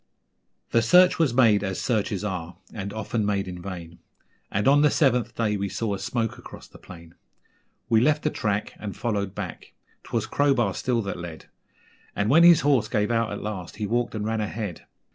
The search was made as searches are (and often made in vain), And on the seventh day we saw a smoke across the plain; We left the track and followed back 'twas Crowbar still that led, And when his horse gave out at last he walked and ran ahead.